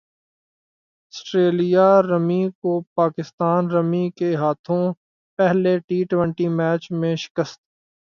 سٹریلیا رمی کو پاکستان رمی کے ہاتھوں پہلے ٹی ٹوئنٹی میچ میں شکست